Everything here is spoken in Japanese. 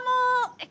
えっ？